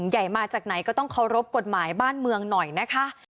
ใหญ่มาจากไหนก็ต้องเคารพกฎหมายบ้านเมืองหน่อยนะคะ